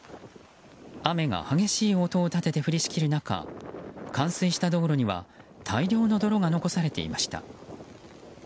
雨が激しい音を立てて降りしきる中、冠水した道路には大量の泥が残されていました。